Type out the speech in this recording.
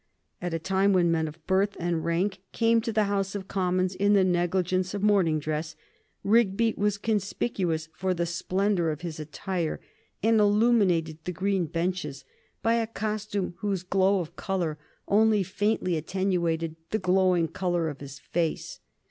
At a time when men of birth and rank came to the House of Commons in the negligence of morning dress, Rigby was conspicuous for the splendor of his attire, and illuminated the green benches by a costume whose glow of color only faintly attenuated the glowing color of his face.